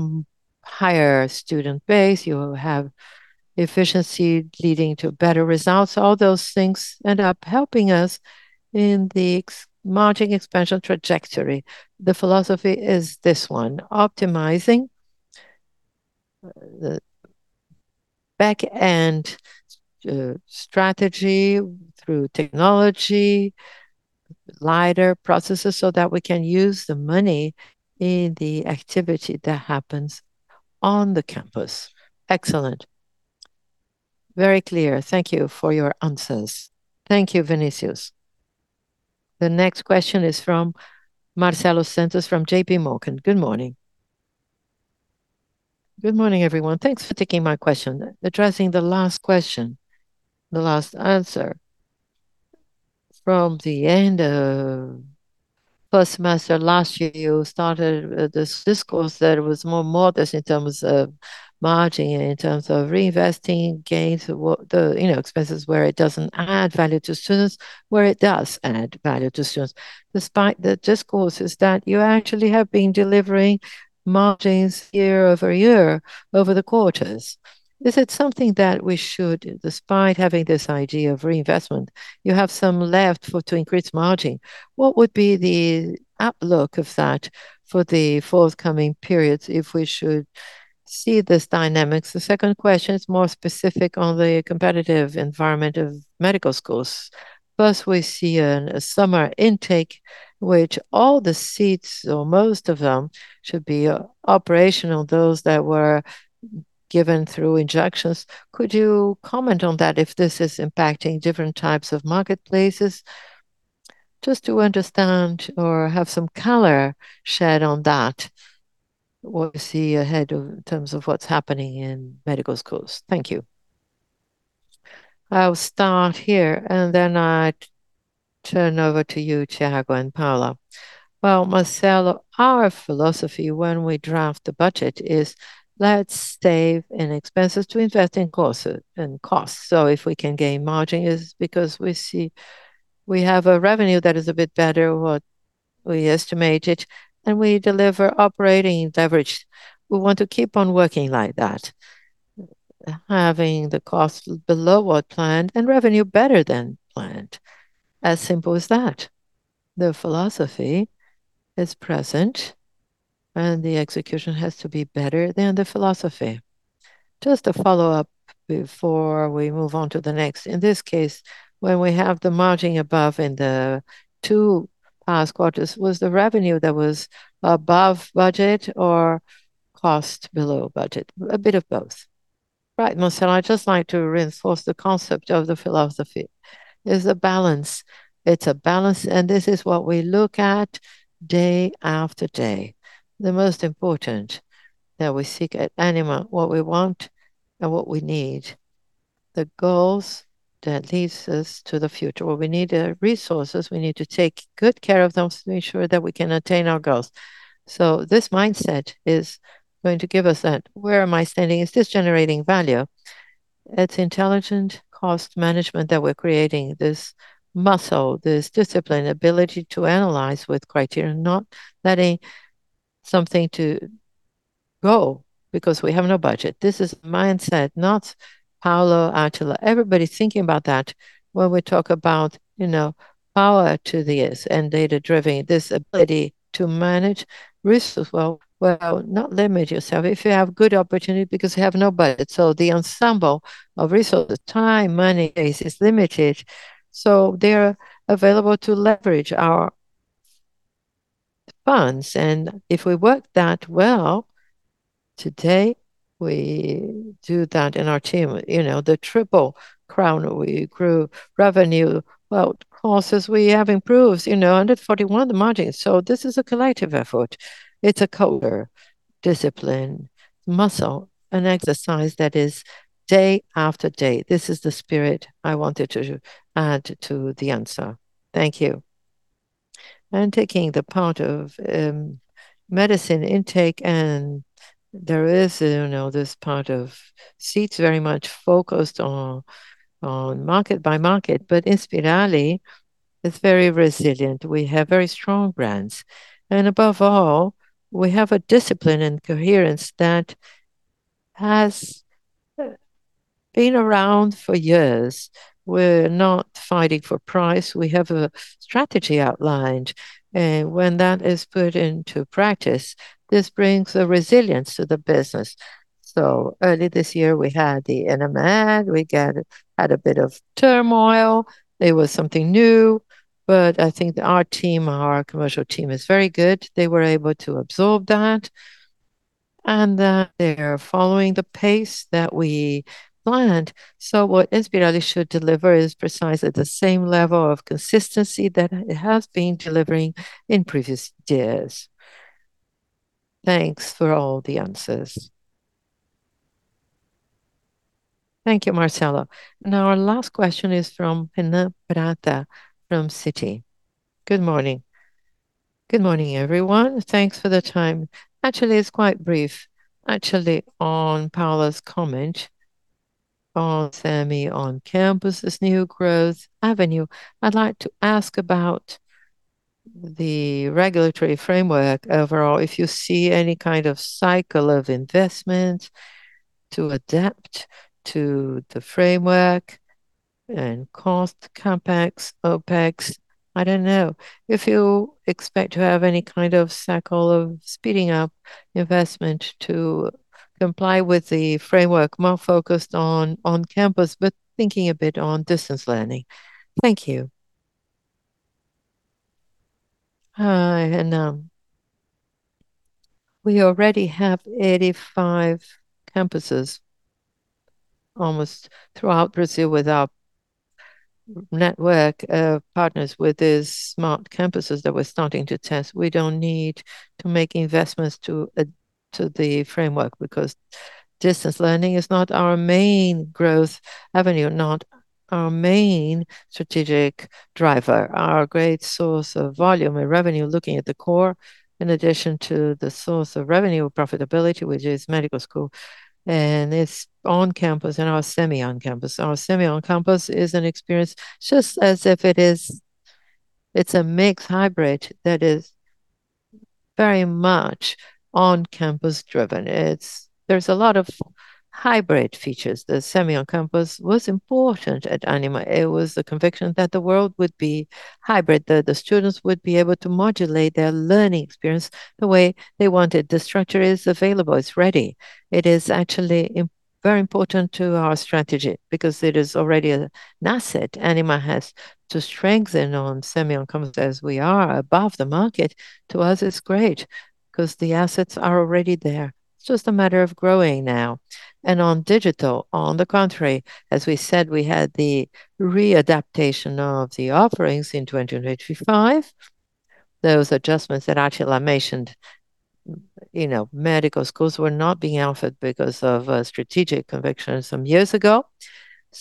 higher student base. You have efficiency leading to better results. All those things end up helping us in the EBITDA margin expansion trajectory. The philosophy is this one. Optimizing the back-end strategy through technology, lighter processes, so that we can use the money in the activity that happens on the campus. Excellent. Very clear. Thank you for your answers. Thank you, Vinicius. The next question is from Marcelo Santos from J.P. Morgan. Good morning. Good morning, everyone. Thanks for taking my question. Addressing the last question, the last answer. From the end of first semester last year, you started this discourse that was more modest in terms of margin and in terms of reinvesting gains, you know, expenses where it doesn't add value to students, where it does add value to students. Despite the discourses that you actually have been delivering margins year-over-year over the quarters. Is it something that we should, despite having this idea of reinvestment, you have some left for to increase margin? What would be the outlook of that for the forthcoming periods if we should see this dynamics? The second question is more specific on the competitive environment of medical schools. First, we see a summer intake which all the seats or most of them should be operational, those that were given through injunctions. Could you comment on that if this is impacting different types of marketplaces? Just to understand or have some color on that, what we see ahead in terms of what's happening in medical schools. Thank you. I'll start here, and then I turn over to you, Tiago and Paula. Well, Marcelo, our philosophy when we draft the budget is let's save in expenses to invest in courses in costs. If we can gain margin, it's because we see we have a revenue that is a bit better what we estimated, and we deliver operating leverage. We want to keep on working like that, having the cost below what planned and revenue better than planned. As simple as that. The philosophy is present, and the execution has to be better than the philosophy. Just a follow-up before we move on to the next. In this case, when we have the margin above in the two past quarters, was the revenue that was above budget or cost below budget? A bit of both. Right, Marcelo, I'd just like to reinforce the concept of the philosophy. There's a balance. It's a balance, and this is what we look at day after day. The most important that we seek at Ânima, what we want and what we need, the goals that leads us to the future, where we need the resources, we need to take good care of them to ensure that we can attain our goals. This mindset is going to give us that, where am I standing? Is this generating value? It's intelligent cost management that we're creating, this muscle, this discipline, ability to analyze with criteria, not letting something to go because we have no budget. This is mindset, not Paula, Átila. Everybody's thinking about that when we talk about, you know, power to this and data-driven, this ability to manage resources well without not limit yourself if you have good opportunity because you have no budget. The ensemble of resource, time, money is limited, so they're available to leverage our funds. If we work that well today, we do that in our team. You know, the triple crown, we grew revenue. Well, costs we have improved, you know, and at 41% the margin. This is a collective effort. It's a culture, discipline, muscle, an exercise that is day after day. This is the spirit I wanted to add to the answer. Thank you. Taking the part of medicine intake, and there is, you know, this part of seats very much focused on market by market, but Inspirali is very resilient. We have very strong brands. And above all, we have a discipline and coherence that has been around for years. We're not fighting for price. We have a strategy outlined. When that is put into practice, this brings a resilience to the business. Early this year, we had the ENEM. We had a bit of turmoil. It was something new, but I think our team, our commercial team is very good. They were able to absorb that, and they are following the pace that we planned. What Inspirali should deliver is precisely the same level of consistency that it has been delivering in previous years. Thanks for all the answers. Thank you, Marcelo. Now, our last question is from Renan Barata from Citi. Good morning. Good morning, everyone. Thanks for the time. Actually, it's quite brief. Actually, on Paula's comment on Smart Campus as new growth avenue, I'd like to ask about the regulatory framework overall, if you see any kind of cycle of investment to adapt to the framework and cost CapEx, OpEx. I don't know. If you expect to have any kind of cycle of speeding up investment to comply with the framework more focused on on-campus, but thinking a bit on distance learning. Thank you. We already have 85 campuses almost throughout Brazil with our network, partners with these Smart Campuses that we're starting to test. We don't need to make investments to the framework because distance learning is not our main growth avenue, not our main strategic driver. Our great source of volume and revenue, looking at the core, in addition to the source of revenue profitability, which is medical school, and it's on-campus and our semi on-campus. Our semi on-campus is an experience just as if it is. It's a mixed hybrid that is very much on-campus driven. There's a lot of hybrid features. The semi on-campus was important at Ânima. It was the conviction that the world would be hybrid, that the students would be able to modulate their learning experience the way they wanted. The structure is available, it's ready. It is actually very important to our strategy because it is already an asset Ânima has to strengthen on semi on-campus as we are above the market. To us, it's great because the assets are already there. It's just a matter of growing now. On digital, on the contrary, as we said, we had the readaptation of the offerings in 2025. Those adjustments that Átila mentioned, you know, medical schools were not being offered because of strategic conviction some years ago.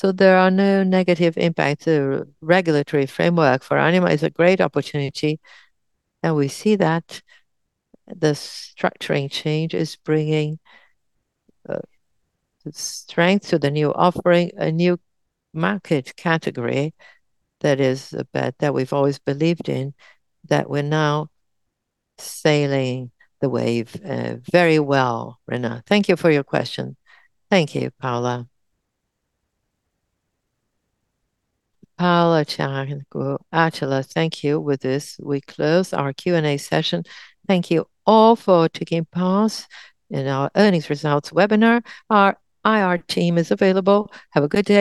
There are no negative impact to regulatory framework. For Ânima, it's a great opportunity, and we see that the structuring change is bringing strength to the new offering, a new market category that is a bet that we've always believed in, that we're now sailing the wave very well, Renan. Thank you for your question. Thank you, Paula. Paula, Tiago, and Átila, thank you. With this, we close our Q&A session. Thank you all for taking part in our earnings results webinar. Our IR team is available. Have a good day.